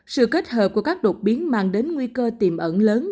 sự kết hợp của các đột biến mang đến nguy cơ tiềm ẩn lớn